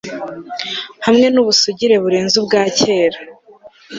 Hamwe nubusugire burenze ubwa kera